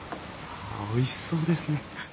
おいしそうですね。